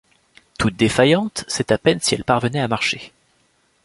Toute défaillante, c’est à peine si elle parvenait à marcher.